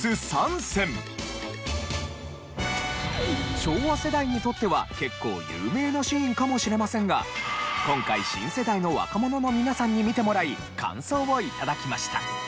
昭和世代にとっては結構有名なシーンかもしれませんが今回新世代の若者の皆さんに見てもらい感想を頂きました。